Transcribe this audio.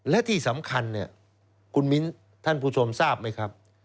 และที่สำคัญเนี่ยคุณมิ้นท่านผู้ชมทราบไหมครับ